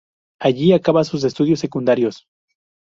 Allí acaba sus estudios secundarios.